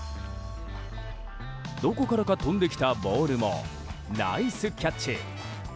どこからか飛んできたボールもナイスキャッチ。